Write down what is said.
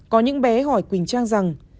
có những bé hỏi quỳnh trang rằng